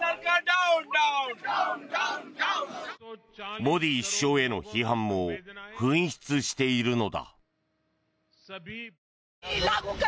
モディ首相への批判も噴出しているのだ。